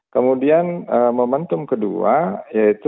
kemudian momentum kedua yaitu